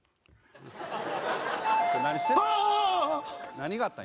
何があったん